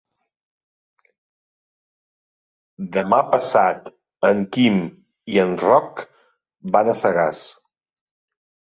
Demà passat en Quim i en Roc van a Sagàs.